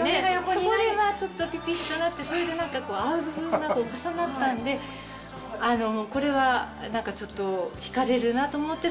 そこでちょっとピピッとなってそれでなんか合う部分が重なったんでこれはなんかちょっとひかれるなと思って。